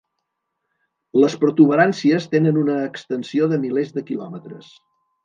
Les protuberàncies tenen una extensió de milers de quilòmetres.